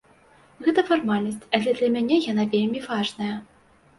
Гэта фармальнасць, але для мяне яна вельмі важная.